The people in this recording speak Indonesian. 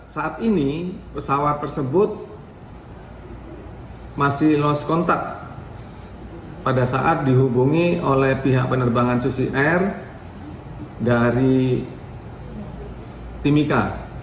saat ini pesawat tersebut masih lost contact pada saat dihubungi oleh pihak penerbangan susi air dari timika